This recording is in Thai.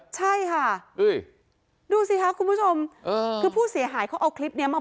ใช่ค่ะดูสิคะคุณผู้ชมคือผู้เสียหายเขาเอาคลิปนี้มา